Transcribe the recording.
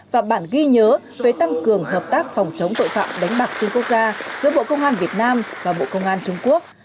và bản ghi nhớ về tăng cường hợp tác phòng chống tội phạm đánh bạc xuyên quốc gia giữa bộ công an việt nam và bộ công an trung quốc